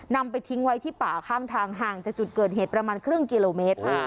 ไปทิ้งไว้ที่ป่าข้างทางห่างจากจุดเกิดเหตุประมาณครึ่งกิโลเมตร